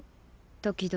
時々。